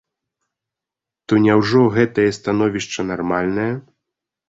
То няўжо гэтае становішча нармальнае?